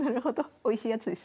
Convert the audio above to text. おいしいやつですね。